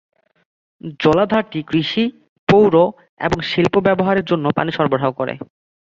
জলাধারটি কৃষি, পৌর এবং শিল্প ব্যবহারের জন্য পানি সরবরাহ করে।